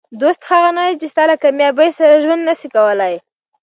دوست هغه نه دئ، چي ستا له کامیابۍ سره ژوند نسي کولای.